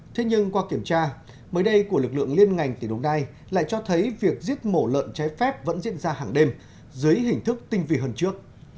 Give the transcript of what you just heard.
thế nhưng qua kiểm tra mới đây của lực lượng liên ngành tỉnh đồng nai lại cho thấy việc giết mổ lợn trái phép vẫn diễn ra hàng đêm dưới hình thức tinh vi hơn trước